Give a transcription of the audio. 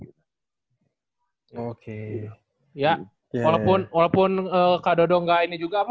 ya walaupun walaupun kak dodo nggak ini juga apa